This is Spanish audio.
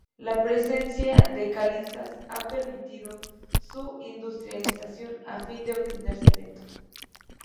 La presencia de calizas ha permitido su industrialización a fin de obtener cemento.